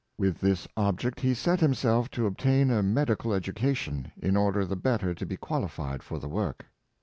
With this object he set himself to obtain a medical education, in order the better to be qualified for the work.